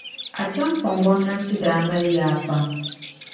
Acheampong Gɔmnanti daa mali yaa pam